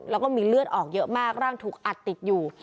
แล้วก็มีเลือดออกเยอะมากร่างถูกอัดติดอยู่